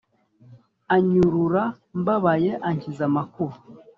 Anyurura mbabaye ankiza amakuba